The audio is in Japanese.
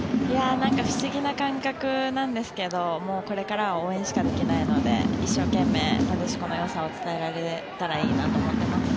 不思議な感覚なんですけどこれからは応援しかできないので一生懸命、なでしこのよさを伝えられたらいいなと思っています。